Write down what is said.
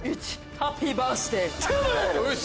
ハッピーバースデー！